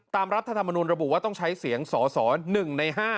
รัฐธรรมนุนระบุว่าต้องใช้เสียงสส๑ใน๕